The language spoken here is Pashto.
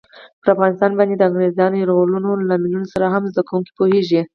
پر افغانستان باندې د انګریزانو یرغلونو لاملونو سره هم زده کوونکي پوهېږي.